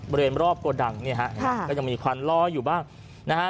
บริเวณรอบโกดังเนี่ยฮะก็ยังมีควันล้ออยู่บ้างนะฮะ